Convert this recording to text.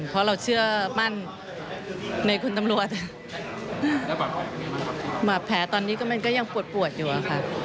แผลตอนนี้ก็ยังปวดปวดอยู่ค่ะ